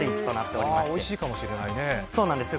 おいしいかもしれないね。